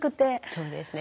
そうですね。